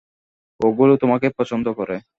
ওগুলো তোমাকে পছন্দ করে।